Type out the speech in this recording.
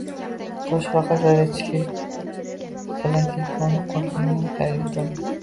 Toshbaqa zaryadchik bilan telefonini quvvatlaganlar, xayrli tong!